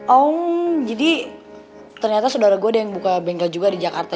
oh jadi ternyata saudara gue ada yang buka bengkel juga di jakarta